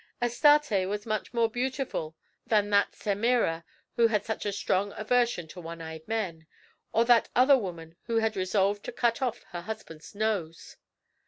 Astarte was much more beautiful than that Semira who had such a strong aversion to one eyed men, or that other woman who had resolved to cut off her husband's nose.